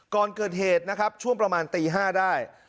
ก่อนเกิดเหตุช่วงประมาณตี๕ได้